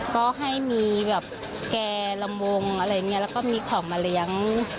ก็ให้มีแบบแก่ลำวงอะไรอย่างนี้แล้วก็มีของมาเลี้ยง